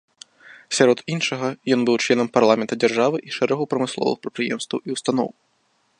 Сярод іншага, ён быў членам парламента дзяржавы і шэрагу прамысловых прадпрыемстваў і ўстаноў.